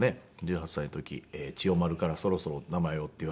１８歳の時千代丸からそろそろ名前をって言われまして。